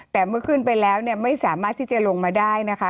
แต่เมื่อขึ้นไปแล้วเนี่ยไม่สามารถที่จะลงมาได้นะคะ